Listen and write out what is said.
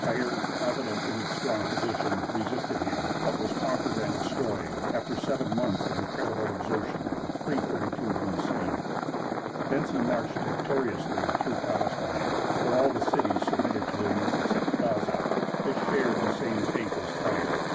Tyre, confident in its strong position, resisted him, but was conquered and destroyed, after seven months of incredible exertion (332 B.C.) Thence he marched victoriously through Palestine, where all the cities submitted to him except Gaza; it shared the same fate as Tyre.